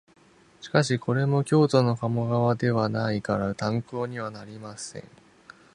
しかしこれも京都の鴨川ではないから参考になりません